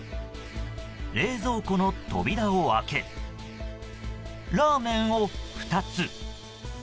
冷蔵庫の扉を開けラーメンを２つ。